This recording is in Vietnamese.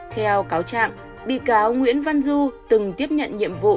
theo cáo trạng bị cáo nguyễn văn du từng tiếp nhận nhiệm vụ